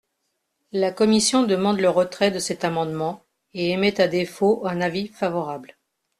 La commission demande le retrait de cet amendement et émet à défaut un avis favorable.